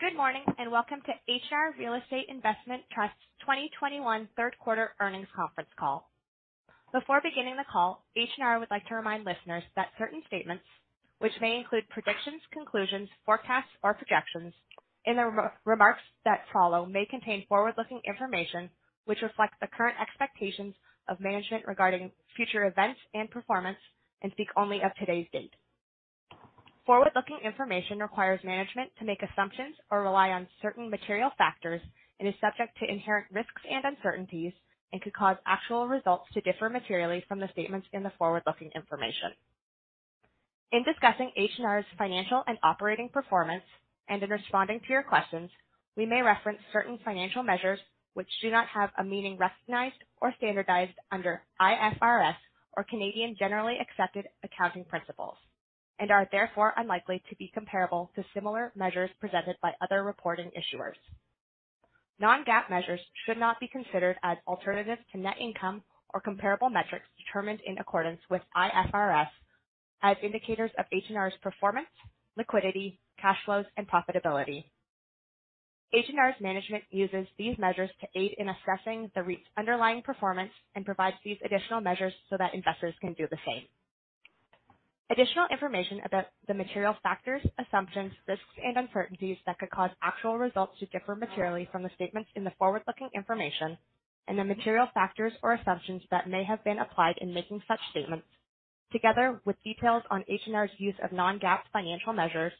Good morning, and welcome to H&R Real Estate Investment Trust 2021 Third Quarter Earnings Conference Call. Before beginning the call, H&R would like to remind listeners that certain statements which may include predictions, conclusions, forecasts, or projections in the remarks that follow may contain forward-looking information which reflects the current expectations of management regarding future events and performance and speak only as of today's date. Forward-looking information requires management to make assumptions or rely on certain material factors and is subject to inherent risks and uncertainties and could cause actual results to differ materially from the statements in the forward-looking information. In discussing H&R's financial and operating performance, and in responding to your questions, we may reference certain financial measures which do not have a meaning recognized or standardized under IFRS or Canadian Generally Accepted Accounting Principles and are therefore unlikely to be comparable to similar measures presented by other reporting issuers. Non-GAAP measures should not be considered as alternatives to net income or comparable metrics determined in accordance with IFRS as indicators of H&R's performance, liquidity, cash flows, and profitability. H&R's management uses these measures to aid in assessing the REIT's underlying performance and provides these additional measures so that investors can do the same. Additional information about the material factors, assumptions, risks, and uncertainties that could cause actual results to differ materially from the statements in the forward-looking information and the material factors or assumptions that may have been applied in making such statements, together with details on H&R's use of non-GAAP financial measures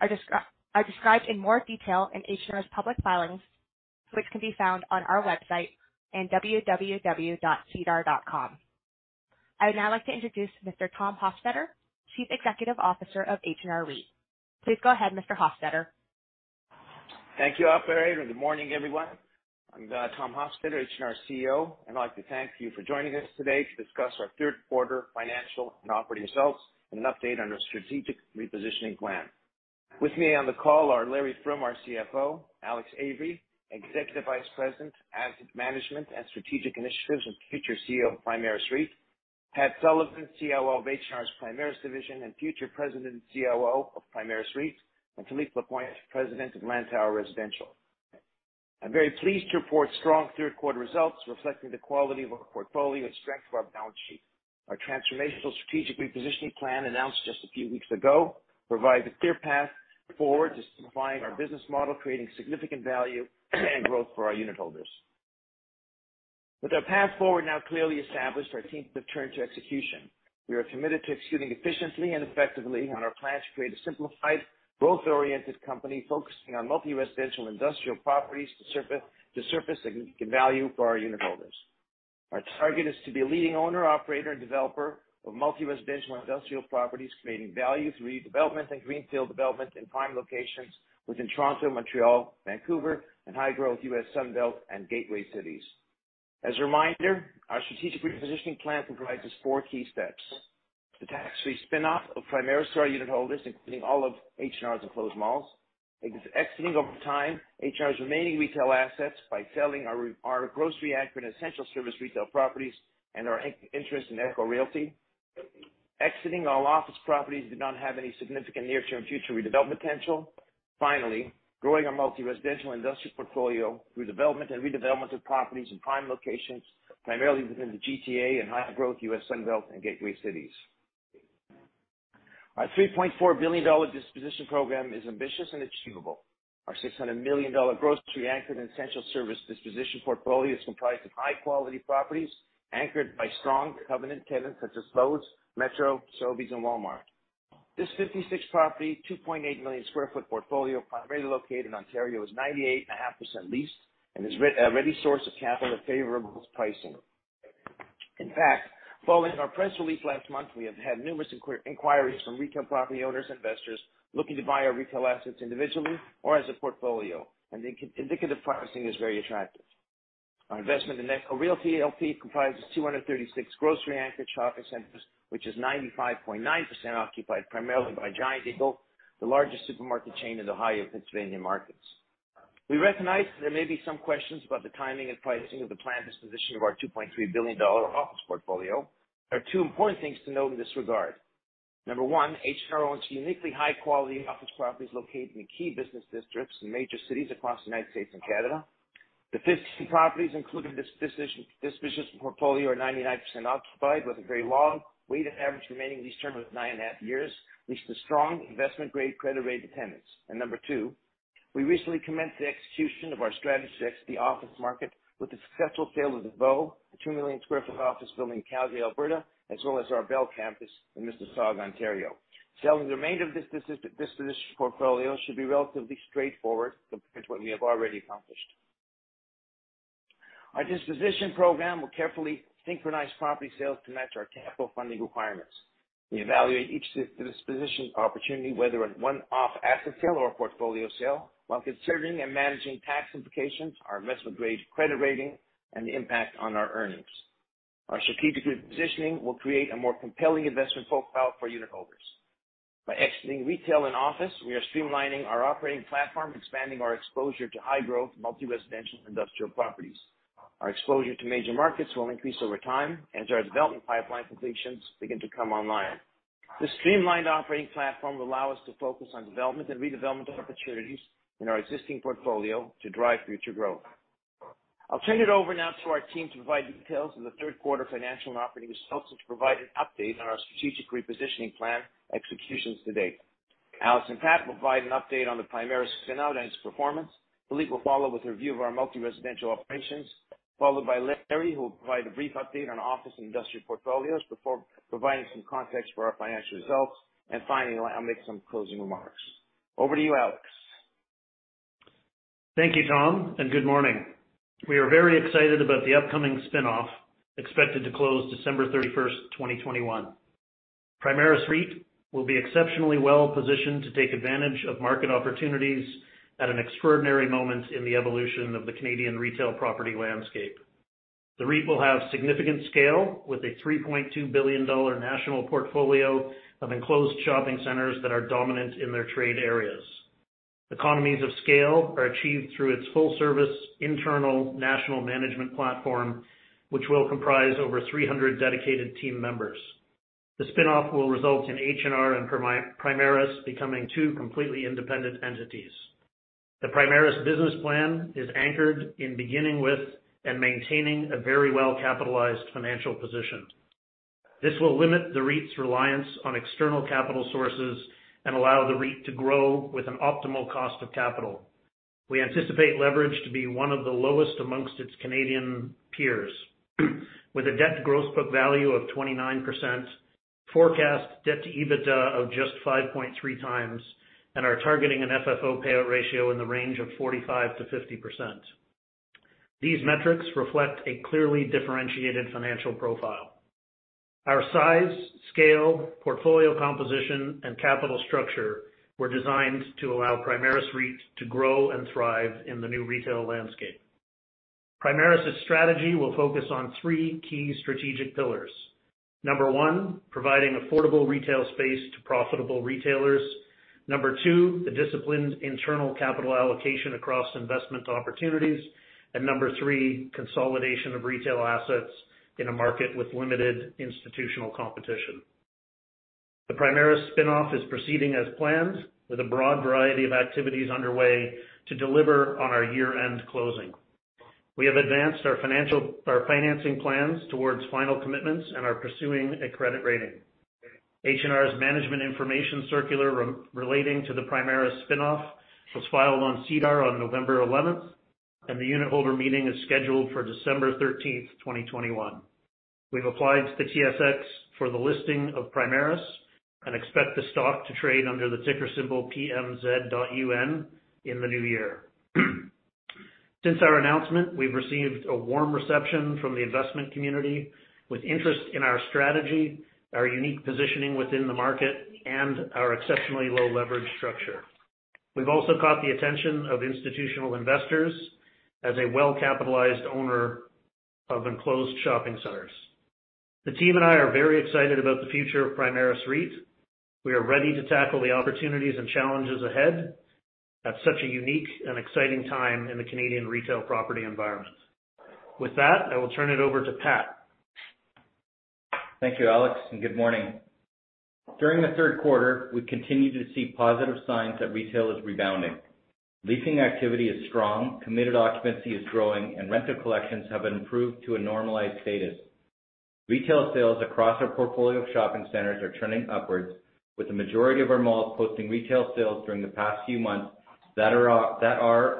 are described in more detail in H&R's public filings, which can be found on our website and www.sedar.com. I would now like to introduce Mr. Tom Hofstedter, Chief Executive Officer of H&R REIT. Please go ahead, Mr. Hofstedter. Thank you, operator. Good morning, everyone. I'm Tom Hofstedter, H&R CEO, and I'd like to thank you for joining us today to discuss our third quarter financial and operating results and an update on our strategic repositioning plan. With me on the call are Larry Froom, our CFO, Alex Avery, Executive Vice President, Asset Management and Strategic Initiatives, and future CEO of Primaris REIT, Pat Sullivan, COO of H&R's Primaris division and future President and COO of Primaris REIT, and Philippe Lapointe, President of Lantower Residential. I'm very pleased to report strong third quarter results reflecting the quality of our portfolio and strength of our balance sheet. Our transformational strategic repositioning plan, announced just a few weeks ago, provides a clear path forward to simplifying our business model, creating significant value and growth for our unitholders. With our path forward now clearly established, our teams have turned to execution. We are committed to executing efficiently and effectively on our plans to create a simplified, growth-oriented company focusing on multi-residential industrial properties to surface significant value for our unitholders. Our target is to be a leading owner, operator and developer of multi-residential industrial properties, creating value through redevelopment and greenfield development in prime locations within Toronto, Montreal, Vancouver and high-growth U.S. Sun Belt and gateway cities. As a reminder, our strategic repositioning plan comprises four key steps. The tax-free spin-off of Primaris to our unitholders, including all of H&R's enclosed malls. Exiting, over time, H&R's remaining retail assets by selling our grocery anchored essential service retail properties and our interest in ECHO Realty. Exiting all office properties that do not have any significant near-term future redevelopment potential. Finally, growing our multi-residential industrial portfolio through development and redevelopment of properties in prime locations, primarily within the GTA and high-growth U.S. Sun Belt and gateway cities. Our 3.4 billion dollar disposition program is ambitious and achievable. Our 600 million dollar grocery-anchored essential service disposition portfolio is comprised of high-quality properties anchored by strong covenant tenants such as Lowe's, Metro, Sobeys, and Walmart. This 56-property, 2.8 million sq ft portfolio, primarily located in Ontario, is 98.5% leased and is a ready source of capital at favorable pricing. In fact, following our press release last month, we have had numerous inquiries from retail property owners and investors looking to buy our retail assets individually or as a portfolio, and the indicative pricing is very attractive. Our investment in ECHO Realty LP comprises 236 grocery-anchored shopping centers, which is 95.9% occupied primarily by Giant Eagle, the largest supermarket chain in Ohio and Pennsylvania markets. We recognize there may be some questions about the timing and pricing of the planned disposition of our 2.3 billion dollar office portfolio. There are two important things to note in this regard. Number one, H&R owns uniquely high-quality office properties located in the key business districts in major cities across the United States and Canada. The 50 properties included in this disposition portfolio are 99% occupied, with a very long weighted average remaining lease term of 9.5 years, leased to strong investment-grade credit rated tenants. Number two, we recently commenced the execution of our strategy to exit the office market with the successful sale of The Bow, a 2 million sq ft office building in Calgary, Alberta, as well as our Bell Campus in Mississauga, Ontario. Selling the remainder of this disposition portfolio should be relatively straightforward compared to what we have already accomplished. Our disposition program will carefully synchronize property sales to match our capital funding requirements. We evaluate each disposition opportunity, whether a one-off asset sale or a portfolio sale, while considering and managing tax implications, our investment-grade credit rating, and the impact on our earnings. Our strategic repositioning will create a more compelling investment profile for unitholders. By exiting retail and office, we are streamlining our operating platform, expanding our exposure to high-growth, multi-residential industrial properties. Our exposure to major markets will increase over time and our development pipeline completions begin to come online. This streamlined operating platform will allow us to focus on development and redevelopment opportunities in our existing portfolio to drive future growth. I'll turn it over now to our team to provide details on the third quarter financial and operating results, to provide an update on our strategic repositioning plan executions to date. Alex and Pat will provide an update on the Primaris spin-out and its performance. Philippe will follow with a review of our multi-residential operations, followed by Larry, who will provide a brief update on office and industrial portfolios before providing some context for our financial results. Finally, I'll make some closing remarks. Over to you, Alex. Thank you, Tom, and good morning. We are very excited about the upcoming spin-off, expected to close December 31st, 2021. Primaris REIT will be exceptionally well-positioned to take advantage of market opportunities at an extraordinary moment in the evolution of the Canadian retail property landscape. The REIT will have significant scale with a 3.2 billion dollar national portfolio of enclosed shopping centers that are dominant in their trade areas. Economies of scale are achieved through its full service internal national management platform, which will comprise over 300 dedicated team members. The spin-off will result in H&R and Primaris becoming two completely independent entities. The Primaris business plan is anchored in beginning with and maintaining a very well-capitalized financial position. This will limit the REIT's reliance on external capital sources and allow the REIT to grow with an optimal cost of capital. We anticipate leverage to be one of the lowest among its Canadian peers. With a debt gross book value of 29%, forecast debt to EBITDA of just 5.3x, and are targeting an FFO payout ratio in the range of 45%-50%. These metrics reflect a clearly differentiated financial profile. Our size, scale, portfolio composition, and capital structure were designed to allow Primaris REIT to grow and thrive in the new retail landscape. Primaris's strategy will focus on three key strategic pillars. Number one, providing affordable retail space to profitable retailers. Number two, the disciplined internal capital allocation across investment opportunities. Number three, consolidation of retail assets in a market with limited institutional competition. The Primaris spin-off is proceeding as planned, with a broad variety of activities underway to deliver on our year-end closing. We have advanced our financing plans towards final commitments and are pursuing a credit rating. H&R's management information circular relating to the Primaris spin-off was filed on SEDAR on November 11th, and the unitholder meeting is scheduled for December 13th, 2021. We've applied to the TSX for the listing of Primaris and expect the stock to trade under the ticker symbol PMZ.UN in the new year. Since our announcement, we've received a warm reception from the investment community with interest in our strategy, our unique positioning within the market, and our exceptionally low leverage structure. We've also caught the attention of institutional investors as a well-capitalized owner of enclosed shopping centers. The team and I are very excited about the future of Primaris REIT. We are ready to tackle the opportunities and challenges ahead at such a unique and exciting time in the Canadian retail property environment. With that, I will turn it over to Pat. Thank you, Alex, and good morning. During the third quarter, we continued to see positive signs that retail is rebounding. Leasing activity is strong, committed occupancy is growing, and rental collections have improved to a normalized status. Retail sales across our portfolio of shopping centers are trending upwards, with the majority of our malls posting retail sales during the past few months that are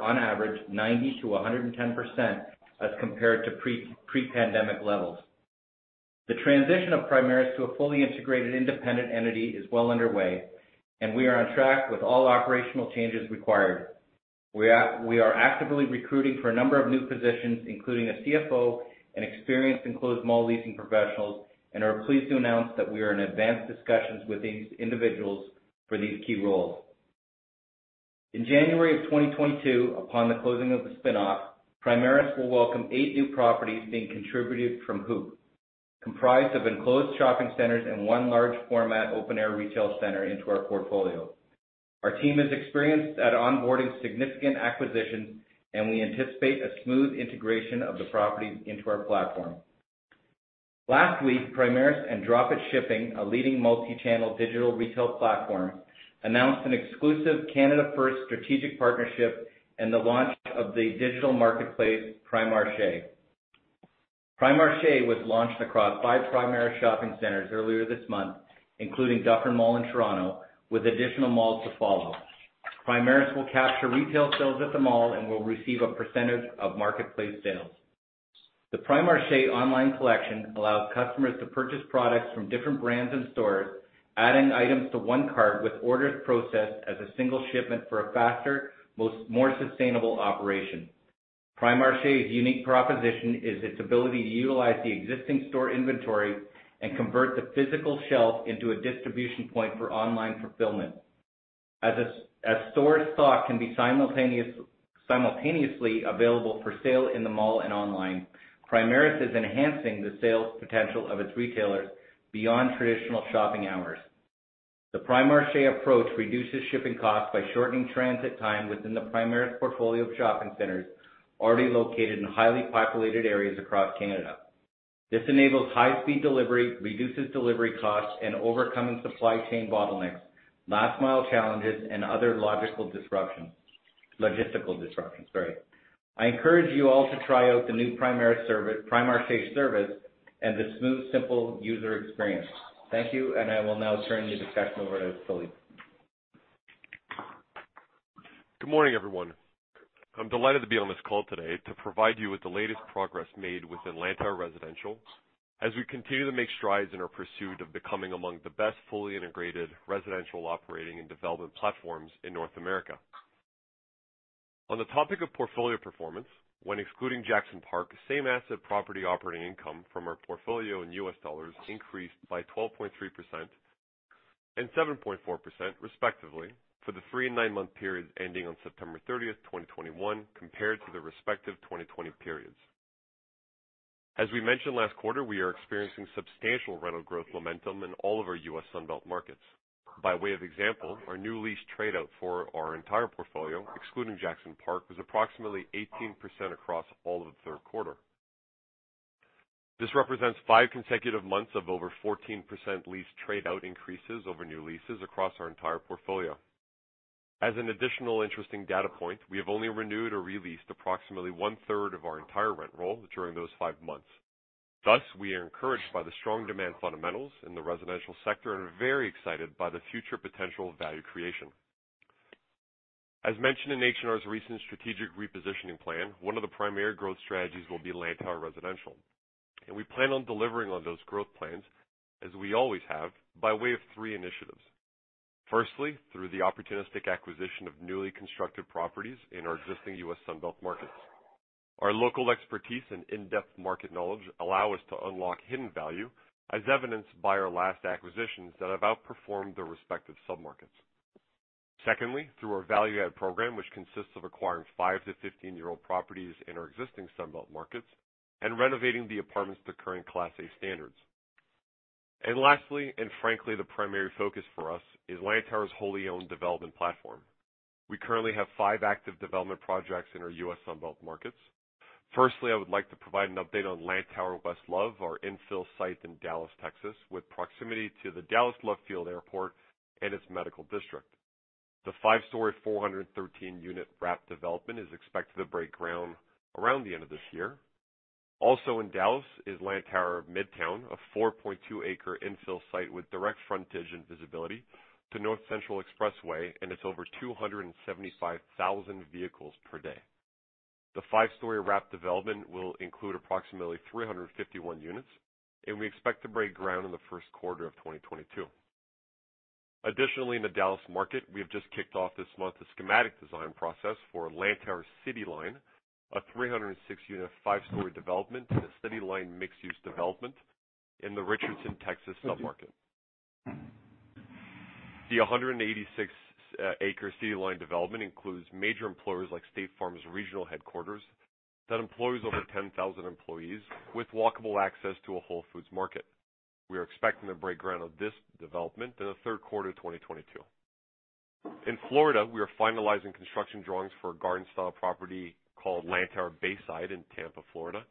on average 90%-110% as compared to pre-pandemic levels. The transition of Primaris to a fully integrated independent entity is well underway, and we are on track with all operational changes required. We are actively recruiting for a number of new positions, including a CFO and experienced enclosed mall leasing professionals, and are pleased to announce that we are in advanced discussions with these individuals for these key roles. In January of 2022, upon the closing of the spin-off, Primaris will welcome eight new properties being contributed from HOOPP, comprised of enclosed shopping centers and one large format open air retail center into our portfolio. Our team is experienced at onboarding significant acquisitions, and we anticipate a smooth integration of the property into our platform. Last week, Primaris and Dropit Shopping, a leading multi-channel digital retail platform, announced an exclusive Canada-first strategic partnership and the launch of the digital marketplace, PRIMARCHÉ. PRIMARCHÉ was launched across five Primaris shopping centers earlier this month, including Dufferin Mall in Toronto, with additional malls to follow. Primaris will capture retail sales at the mall and will receive a percentage of marketplace sales. The PRIMARCHÉ online collection allows customers to purchase products from different brands and stores, adding items to one cart with orders processed as a single shipment for a faster, more sustainable operation. PRIMARCHÉ's unique proposition is its ability to utilize the existing store inventory and convert the physical shelf into a distribution point for online fulfillment. As store stock can be simultaneously available for sale in the mall and online, Primaris is enhancing the sales potential of its retailers beyond traditional shopping hours. The PRIMARCHÉ approach reduces shipping costs by shortening transit time within the Primaris portfolio of shopping centers already located in highly populated areas across Canada. This enables high-speed delivery, reduces delivery costs, and overcoming supply chain bottlenecks, last mile challenges, and other logistical disruptions. Sorry. I encourage you all to try out the new Primaris service, PRIMARCHÉ service, and the smooth, simple user experience. Thank you, and I will now turn the discussion over to Philippe. Good morning, everyone. I'm delighted to be on this call today to provide you with the latest progress made with Lantower Residential as we continue to make strides in our pursuit of becoming among the best fully integrated residential operating and development platforms in North America. On the topic of portfolio performance, when excluding Jackson Park, same asset property operating income from our portfolio in U.S. dollars increased by 12.3% and 7.4% respectively for the three and nine-month periods ending on September 30th, 2021, compared to the respective 2020 periods. We mentioned last quarter, we are experiencing substantial rental growth momentum in all of our U.S. Sun Belt markets. By way of example, our new lease trade out for our entire portfolio, excluding Jackson Park, was approximately 18% across all of the third quarter. This represents five consecutive months of over 14% lease trade out increases over new leases across our entire portfolio. As an additional interesting data point, we have only renewed or re-leased approximately 1/3 of our entire rent roll during those five months. Thus, we are encouraged by the strong demand fundamentals in the residential sector and are very excited by the future potential value creation. As mentioned in H&R's recent strategic repositioning plan, one of the primary growth strategies will be Lantower Residential, and we plan on delivering on those growth plans as we always have, by way of three initiatives. Firstly, through the opportunistic acquisition of newly constructed properties in our existing U.S. Sun Belt markets. Our local expertise and in-depth market knowledge allow us to unlock hidden value, as evidenced by our last acquisitions that have outperformed their respective submarkets. Secondly, through our value-add program, which consists of acquiring five to 15-year-old properties in our existing Sun Belt markets and renovating the apartments to current Class A standards. Lastly, and frankly, the primary focus for us is Lantower's wholly owned development platform. We currently have five active development projects in our U.S. Sun Belt markets. Firstly, I would like to provide an update on Lantower West Love, our infill site in Dallas, Texas, with proximity to the Dallas Love Field Airport and its medical district. The five-story, 413-unit wrap development is expected to break ground around the end of this year. Also in Dallas is Lantower Midtown, a 4.2-acre infill site with direct frontage and visibility to North Central Expressway and its over 275,000 vehicles per day. The five-story wrap development will include approximately 351 units, and we expect to break ground in the first quarter of 2022. Additionally, in the Dallas market, we have just kicked off this month a schematic design process for Lantower CityLine, a 306-unit, five-story development in the CityLine mixed-use development in the Richardson, Texas submarket. The 186-acre CityLine development includes major employers like State Farm's regional headquarters that employs over 10,000 employees with walkable access to a Whole Foods Market. We are expecting to break ground on this development in the third quarter of 2022. In Florida, we are finalizing construction drawings for a garden-style property called Lantower Bayside in Tampa, Florida.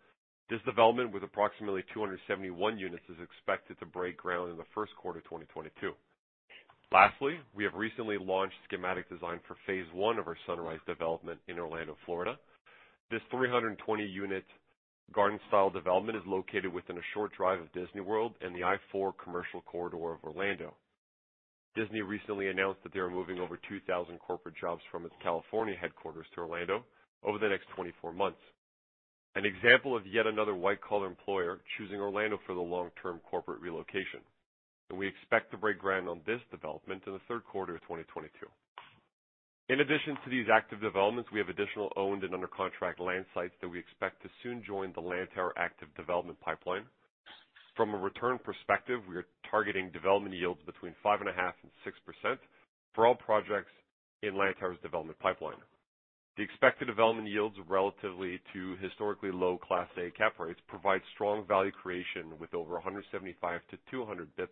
This development, with approximately 271 units, is expected to break ground in the first quarter of 2022. Lastly, we have recently launched schematic design for phase one of our Sunrise development in Orlando, Florida. This 320-unit garden-style development is located within a short drive of Disney World and the I-4 commercial corridor of Orlando. Disney recently announced that they are moving over 2,000 corporate jobs from its California headquarters to Orlando over the next 24 months. An example of yet another white-collar employer choosing Orlando for the long-term corporate relocation. We expect to break ground on this development in the third quarter of 2022. In addition to these active developments, we have additional owned and under contract land sites that we expect to soon join the Lantower active development pipeline. From a return perspective, we are targeting development yields between 5.5% and 6% for all projects in Lantower's development pipeline. The expected development yields relatively to historically low Class A cap rates provide strong value creation with over 175 bps-200 bps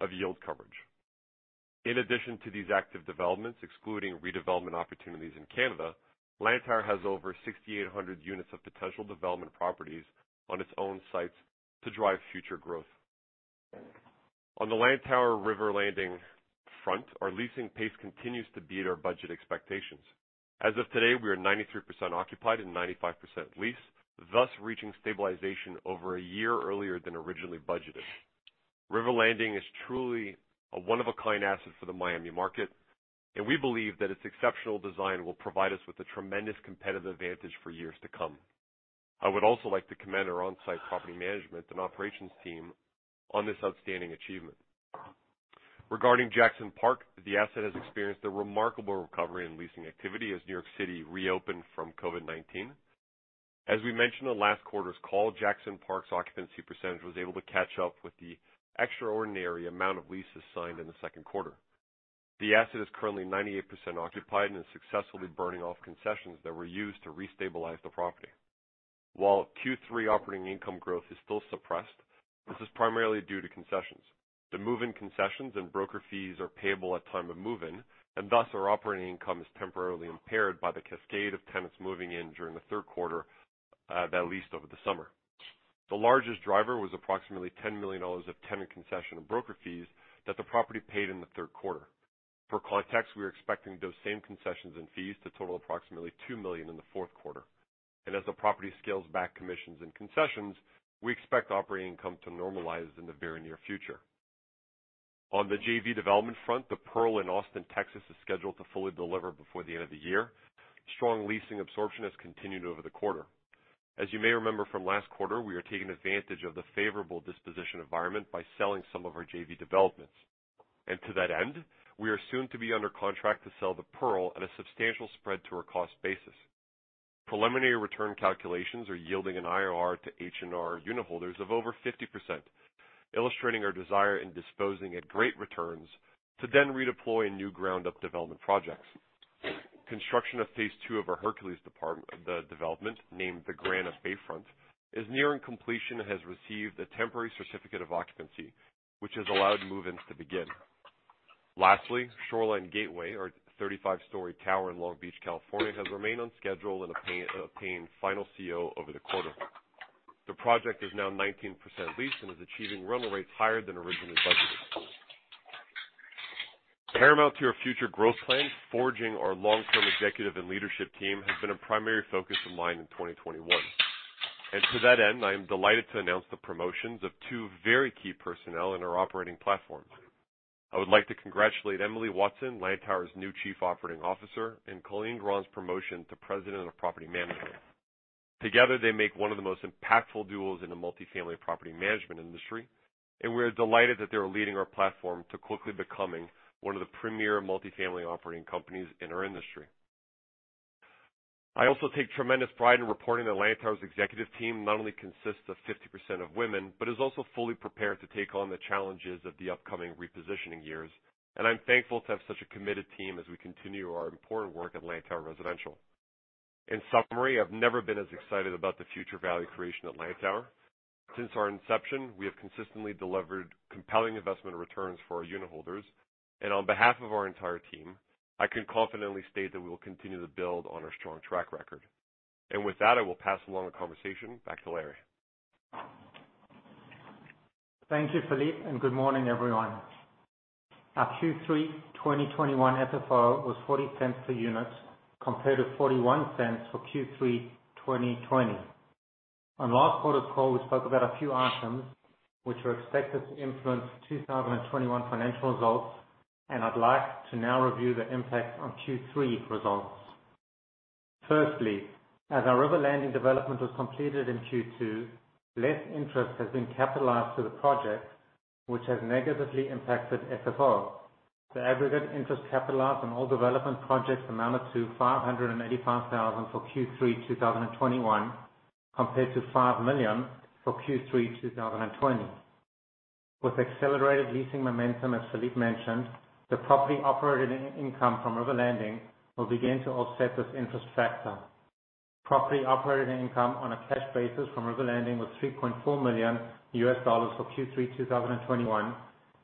of yield coverage. In addition to these active developments, excluding redevelopment opportunities in Canada, Lantower has over 6,800 units of potential development properties on its own sites to drive future growth. On the Lantower River Landing front, our leasing pace continues to beat our budget expectations. As of today, we are 93% occupied and 95% leased, thus reaching stabilization over a year earlier than originally budgeted. River Landing is truly a one-of-a-kind asset for the Miami market, and we believe that its exceptional design will provide us with a tremendous competitive advantage for years to come. I would also like to commend our on-site property management and operations team on this outstanding achievement. Regarding Jackson Park, the asset has experienced a remarkable recovery in leasing activity as New York City reopened from COVID-19. As we mentioned on last quarter's call, Jackson Park's occupancy percentage was able to catch up with the extraordinary amount of leases signed in the second quarter. The asset is currently 98% occupied and is successfully burning off concessions that were used to restabilize the property. While Q3 operating income growth is still suppressed, this is primarily due to concessions. The move-in concessions and broker fees are payable at time of move-in, and thus our operating income is temporarily impaired by the cascade of tenants moving in during the third quarter that leased over the summer. The largest driver was approximately $10 million of tenant concession and broker fees that the property paid in the third quarter. For context, we are expecting those same concessions and fees to total approximately CAD 2 million in the fourth quarter. As the property scales back commissions and concessions, we expect operating income to normalize in the very near future. On the JV development front, The Pearl in Austin, Texas, is scheduled to fully deliver before the end of the year. Strong leasing absorption has continued over the quarter. As you may remember from last quarter, we are taking advantage of the favorable disposition environment by selling some of our JV developments. To that end, we are soon to be under contract to sell The Pearl at a substantial spread to our cost basis. Preliminary return calculations are yielding an IRR to H&R unitholders of over 50%, illustrating our desire in disposing at great returns to then redeploy in new ground-up development projects. Construction of phase two of our Hercules development, named The Grand at Bayfront, is nearing completion and has received a temporary certificate of occupancy, which has allowed move-ins to begin. Lastly, Shoreline Gateway, our 35-story tower in Long Beach, California, has remained on schedule and obtained final CO over the quarter. The project is now 19% leased and is achieving rental rates higher than originally budgeted. Paramount to our future growth plans, forging our long-term executive and leadership team has been a primary focus of mine in 2021. To that end, I am delighted to announce the promotions of two very key personnel in our operating platforms. I would like to congratulate Emily Watson, Lantower's new Chief Operating Officer, and Colleen Grahn's promotion to President of Property Management. Together, they make one of the most impactful duos in the multifamily property management industry, and we're delighted that they are leading our platform to quickly becoming one of the premier multifamily operating companies in our industry. I also take tremendous pride in reporting that Lantower's executive team not only consists of 50% of women, but is also fully prepared to take on the challenges of the upcoming repositioning years. I'm thankful to have such a committed team as we continue our important work at Lantower Residential. In summary, I've never been as excited about the future value creation at Lantower. Since our inception, we have consistently delivered compelling investment returns for our unitholders. On behalf of our entire team, I can confidently state that we will continue to build on our strong track record. With that, I will pass along the conversation back to Larry. Thank you, Philippe, and good morning, everyone. Our Q3 2021 FFO was 0.40 per unit, compared to 0.41 for Q3 2020. On last quarter's call, we spoke about a few items which are expected to influence 2021 financial results, and I'd like to now review the impact on Q3 results. Firstly, as our River Landing development was completed in Q2, less interest has been capitalized to the project, which has negatively impacted FFO. The aggregate interest capitalized on all development projects amounted to 585,000 for Q3 2021, compared to 5 million for Q3 2020. With accelerated leasing momentum, as Philippe mentioned, the property operating income from River Landing will begin to offset this interest factor. Property operating income on a cash basis from River Landing was $3.4 million for Q3 2021,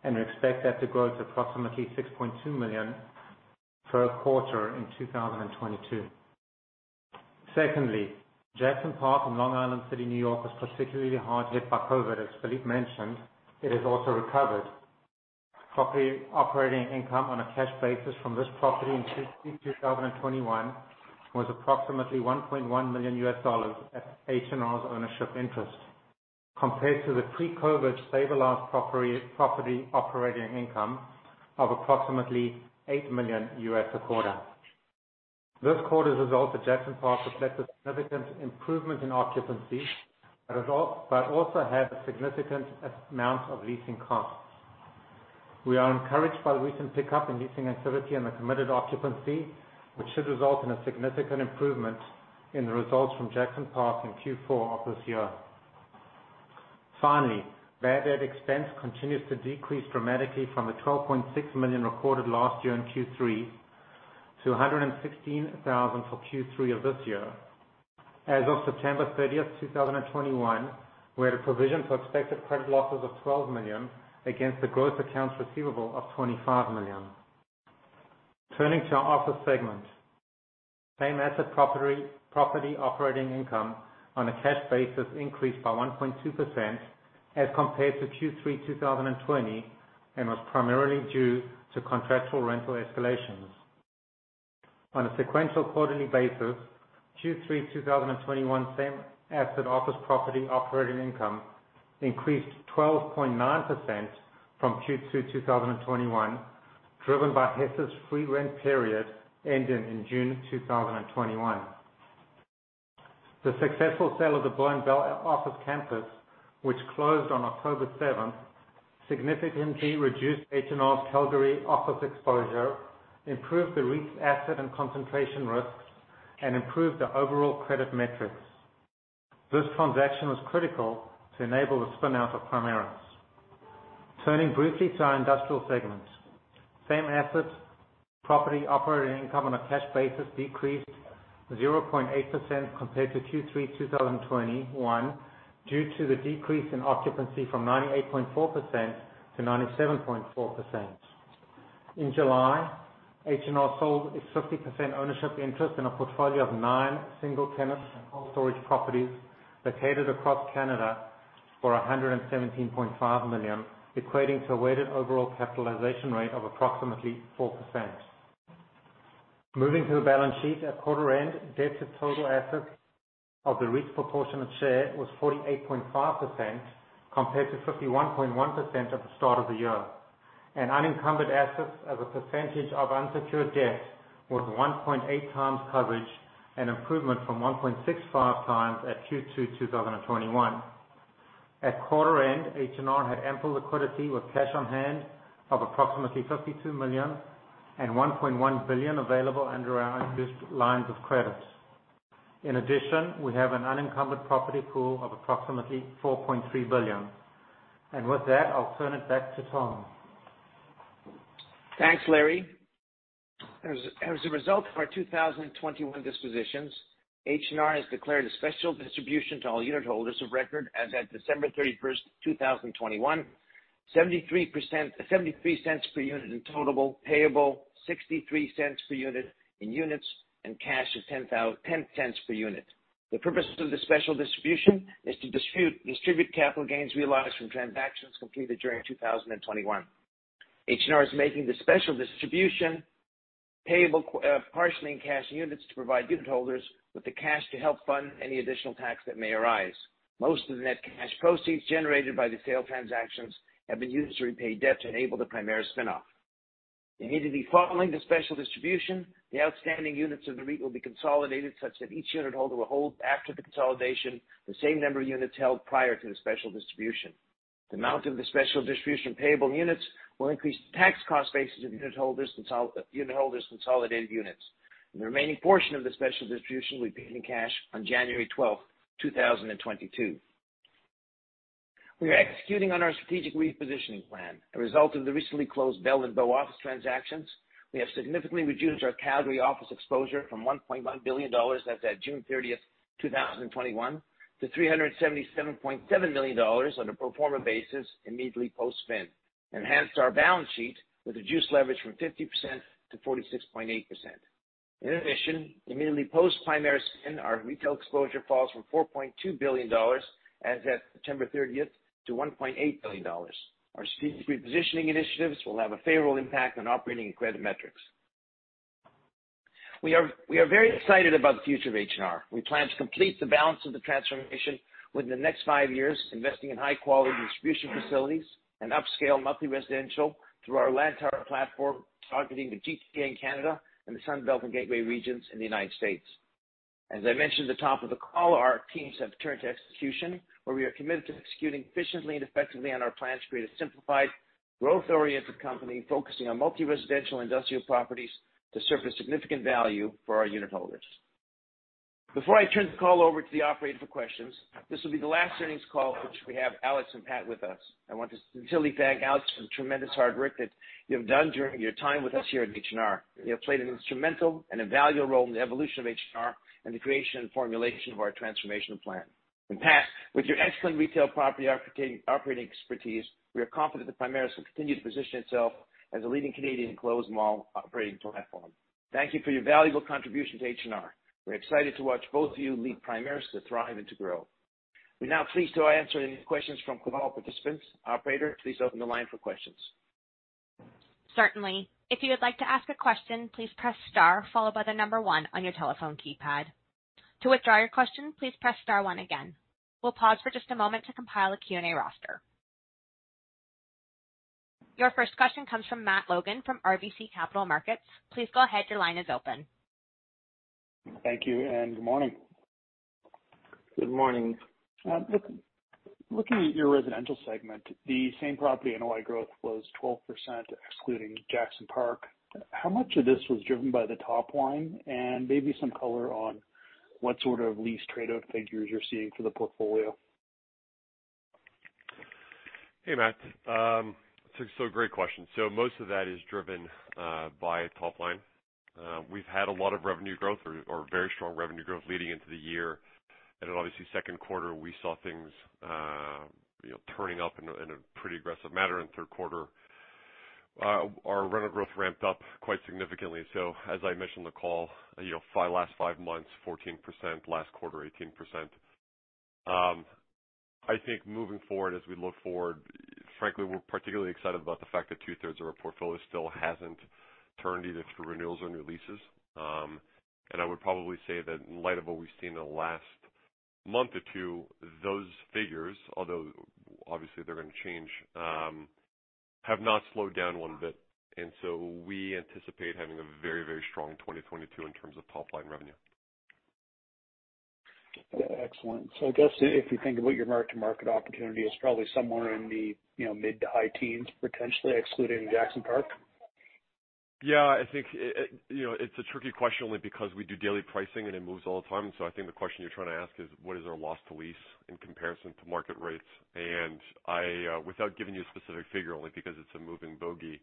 and we expect that to grow to approximately $6.2 million per quarter in 2022. Secondly, Jackson Park in Long Island City, New York, was particularly hard hit by COVID. As Philippe mentioned, it has also recovered. Property operating income on a cash basis from this property in Q3 2021 was approximately $1.1 million at H&R's ownership interest, compared to the pre-COVID stabilized property operating income of approximately $8 million a quarter. This quarter's result at Jackson Park reflected significant improvement in occupancy, but also had a significant amount of leasing costs. We are encouraged by the recent pickup in leasing activity and the committed occupancy, which should result in a significant improvement in the results from Jackson Park in Q4 of this year. Bad debt expense continues to decrease dramatically from 12.6 million recorded last year in Q3 to 116,000 for Q3 of this year. As of September 30th, 2021, we had a provision for expected credit losses of 12 million against the gross accounts receivable of 25 million. Turning to our office segment. Same-asset property operating income on a cash basis increased by 1.2% as compared to Q3 2020, and was primarily due to contractual rental escalations. On a sequential quarterly basis, Q3 2021 same-asset office property operating income increased 12.9% from Q2 2021, driven by Hess' free rent period ending in June 2021. The successful sale of the Bow and Bell Office Campus, which closed on October 7th, significantly reduced H&R's Calgary office exposure, improved the REIT's asset and concentration risks, and improved the overall credit metrics. This transaction was critical to enable the spin-out of Primaris. Turning briefly to our industrial segments. Same-asset property operating income on a cash basis decreased 0.8% compared to Q3 2021 due to the decrease in occupancy from 98.4% to 97.4%. In July, H&R sold its 50% ownership interest in a portfolio of nine single tenants and cold storage properties located across Canada for 117.5 million, equating to a weighted overall capitalization rate of approximately 4%. Moving to the balance sheet at quarter end, debt to total assets of the REIT's proportionate share was 48.5% compared to 51.1% at the start of the year. Unencumbered assets as a percentage of unsecured debt was 1.8x coverage, an improvement from 1.65x at Q2 2021. At quarter end, H&R had ample liquidity with cash on hand of approximately 52 million and 1.1 billion available under our undrawn lines of credit. In addition, we have an unencumbered property pool of approximately 4.3 billion. With that, I'll turn it back to Tom. Thanks, Larry. As a result of our 2021 dispositions, H&R has declared a special distribution to all unit holders of record as at December 31st, 2021, 0.73 per unit in total, payable 0.63 per unit in units and 0.10 per unit in cash. The purpose of the special distribution is to distribute capital gains realized from transactions completed during 2021. H&R is making the special distribution payable partially in cash units to provide unit holders with the cash to help fund any additional tax that may arise. Most of the net cash proceeds generated by the sale transactions have been used to repay debt to enable the Primaris spin-off. Immediately following the special distribution, the outstanding units of the REIT will be consolidated such that each unit holder will hold after the consolidation the same number of units held prior to the special distribution. The amount of the special distribution payable in units will increase the tax cost basis of unit holders' consolidated units. The remaining portion of the special distribution will be paid in cash on January 12th, 2022. We are executing on our strategic repositioning plan as a result of the recently closed Bow and Bell Office transactions. We have significantly reduced our Calgary office exposure from 1.1 billion dollars as at June 30th, 2021, to 377.7 million dollars on a pro forma basis immediately post-spin, enhanced our balance sheet with reduced leverage from 50% to 46.8%. In addition, immediately post Primaris spin, our retail exposure falls from 4.2 billion dollars as at September 30th to 1.8 billion dollars. Our strategic repositioning initiatives will have a favorable impact on operating and credit metrics. We are very excited about the future of H&R. We plan to complete the balance of the transformation within the next five years, investing in high quality distribution facilities and upscale multi-residential through our Lantower platform, targeting the GTA in Canada and the Sun Belt and Gateway regions in the United States. As I mentioned at the top of the call, our teams have turned to execution, where we are committed to executing efficiently and effectively on our plans to create a simplified growth oriented company focusing on multi-residential industrial properties to surface significant value for our unit holders. Before I turn the call over to the operator for questions, this will be the last earnings call in which we have Alex and Pat with us. I want to sincerely thank Alex for the tremendous hard work that you have done during your time with us here at H&R. You have played an instrumental and a valuable role in the evolution of H&R and the creation and formulation of our transformational plan. Pat, with your excellent retail property operating expertise, we are confident that Primaris will continue to position itself as a leading Canadian enclosed mall operating platform. Thank you for your valuable contribution to H&R. We're excited to watch both of you lead Primaris to thrive and to grow. We're now pleased to answer any questions from call participants. Operator, please open the line for questions. Certainly. If you would like to ask a question, please press star followed by the number one on your telephone keypad. To withdraw your question, please press star one again. We'll pause for just a moment to compile a Q&A roster. Your first question comes from Matt Logan from RBC Capital Markets. Please go ahead. Your line is open. Thank you and good morning. Good morning. Looking at your residential segment, the same property NOI growth was 12% excluding Jackson Park. How much of this was driven by the top line? Maybe some color on what sort of lease trade-out figures you're seeing for the portfolio. Hey, Matt. Great question. Most of that is driven by top line. We've had a lot of revenue growth or very strong revenue growth leading into the year. Obviously second quarter, we saw things you know turning up in a pretty aggressive manner. In the third quarter, our rental growth ramped up quite significantly. As I mentioned in the call, you know last five months, 14%, last quarter, 18%. I think moving forward, as we look forward, frankly, we're particularly excited about the fact that two-thirds of our portfolio still hasn't turned either through renewals or new leases. I would probably say that in light of what we've seen in the last month or two, those figures, although obviously they're gonna change, have not slowed down one bit. We anticipate having a very, very strong 2022 in terms of top line revenue. Excellent. I guess if you think about your mark-to-market opportunity, it's probably somewhere in the, you know, mid to high teens, potentially excluding Jackson Park? Yeah, I think, you know, it's a tricky question only because we do daily pricing and it moves all the time. I think the question you're trying to ask is, what is our loss to lease in comparison to market rates? I, without giving you a specific figure, only because it's a moving bogey,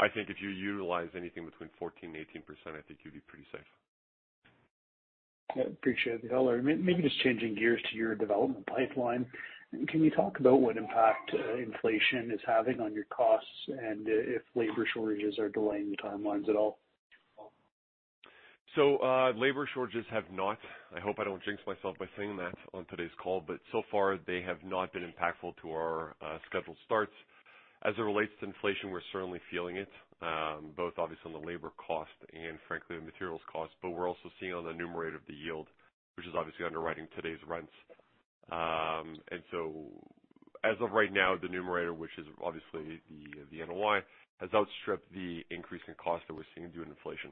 I think if you utilize anything between 14%-18%, I think you'd be pretty safe. Yeah. Appreciate the color. Maybe just changing gears to your development pipeline. Can you talk about what impact inflation is having on your costs and if labor shortages are delaying the timelines at all? Labor shortages have not been impactful to our scheduled starts. I hope I don't jinx myself by saying that on today's call, but so far they have not been impactful to our scheduled starts. As it relates to inflation, we're certainly feeling it, both obviously on the labor cost and frankly on materials cost, but we're also seeing on the numerator of the yield, which is obviously underwriting today's rents. As of right now, the numerator, which is obviously the NOI, has outstripped the increase in cost that we're seeing due to inflation.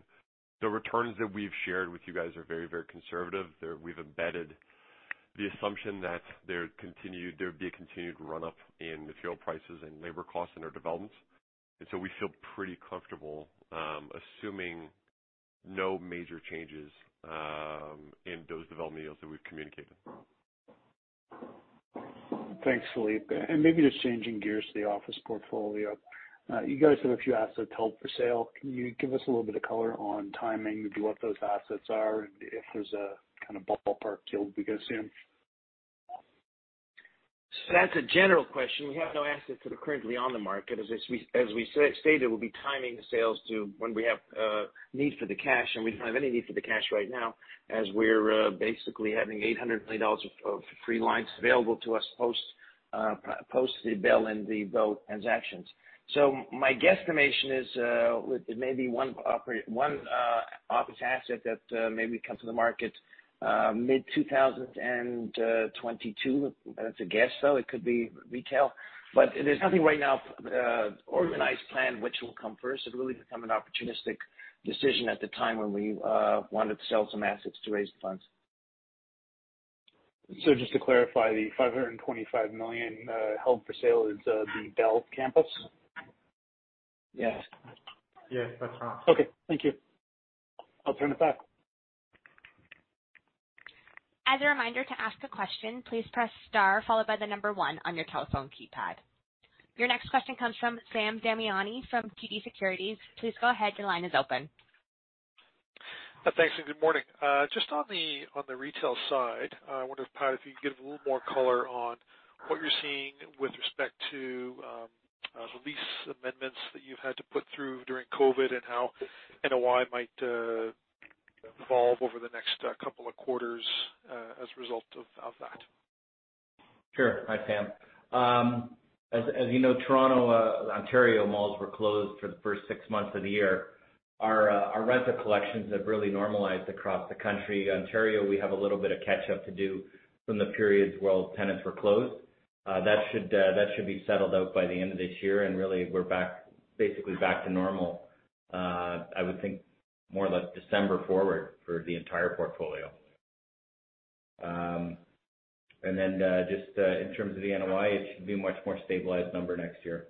The returns that we've shared with you guys are very, very conservative. We've embedded the assumption that there'd be a continued run up in the fuel prices and labor costs in our developments. We feel pretty comfortable, assuming no major changes, in those development deals that we've communicated. Thanks, Philippe. Maybe just changing gears to the office portfolio. You guys have a few assets held for sale. Can you give us a little bit of color on timing, what those assets are, and if there's a kinda ballpark yield we could assume? That's a general question. We have no assets that are currently on the market. As we stated, we'll be timing the sales to when we have need for the cash, and we don't have any need for the cash right now as we're basically having 800 million dollars of free lines available to us post the Bow and Bell transactions. My guesstimation is, it may be one office asset that maybe come to the market mid-2022. That's a guess, though. It could be retail. There's nothing right now, no organized plan which will come first. It'll really become an opportunistic decision at the time when we wanted to sell some assets to raise the funds. Just to clarify, the 525 million held for sale is the Bell Campus? Yes. Yes, that's right. Okay. Thank you. I'll turn it back. As a reminder, to ask a question, please press star followed by number one on your telephone keypad. As a reminder, to ask a question, please press star followed by the number one on your telephone keypad. Your next question comes from Sam Damiani from TD Securities. Please go ahead, your line is open. Thanks and good morning. Just on the retail side, I wonder if, Pat, you could give a little more color on what you're seeing with respect to lease amendments that you've had to put through during COVID and how NOI might evolve over the next couple of quarters as a result of that? Sure. Hi, Sam. As you know, Toronto, Ontario malls were closed for the first six months of the year. Our rent and collections have really normalized across the country. Ontario, we have a little bit of catch up to do from the periods where all the tenants were closed. That should be settled out by the end of this year, and really we're back, basically back to normal, I would think more or less December forward for the entire portfolio. Just in terms of the NOI, it should be a much more stabilized number next year.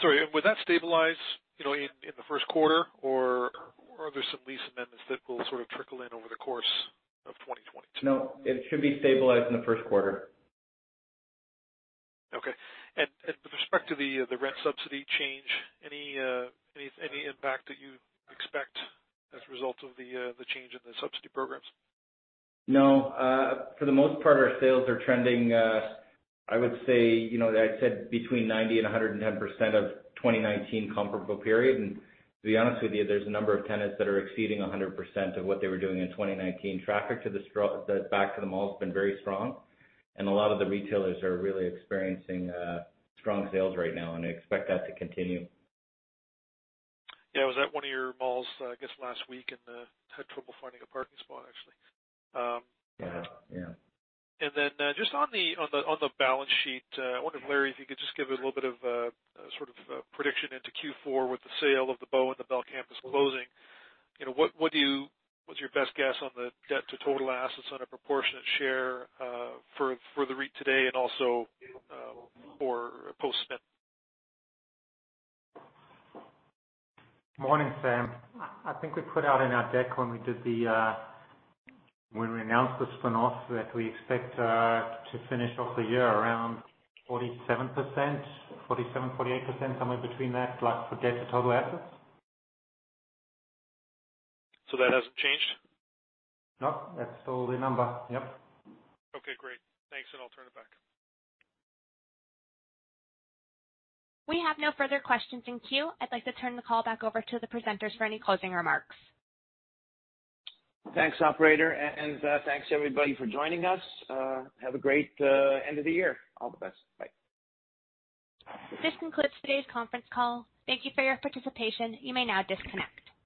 Sorry, would that stabilize, you know, in the first quarter or are there some lease amendments that will sort of trickle in over the course of 2022? No, it should be stabilized in the first quarter. Okay. With respect to the rent subsidy change, any impact that you expect as a result of the change in the subsidy programs? No. For the most part, our sales are trending. I would say, you know, I'd said between 90% and 110% of 2019 comparable period. To be honest with you, there's a number of tenants that are exceeding 100% of what they were doing in 2019. Traffic back to the mall has been very strong, and a lot of the retailers are really experiencing strong sales right now, and I expect that to continue. Yeah. I was at one of your malls, I guess last week, and had trouble finding a parking spot, actually. Yeah. Yeah. Then, just on the balance sheet, I wonder if Larry could just give a little bit of a sort of prediction into Q4 with the sale of the Bow and the Bell Campus closing. You know, what's your best guess on the debt to total assets on a proportionate share for the REIT today and also for post spin? Morning, Sam. I think we put out in our deck when we announced the spin-off that we expect to finish off the year around 47%, 47%-48%, somewhere between that, like for debt to total assets. That hasn't changed? No, that's still the number. Yep. Okay, great. Thanks, and I'll turn it back. We have no further questions in queue. I'd like to turn the call back over to the presenters for any closing remarks. Thanks, operator. Thanks everybody for joining us. Have a great end of the year. All the best. Bye. This concludes today's conference call. Thank you for your participation. You may now disconnect.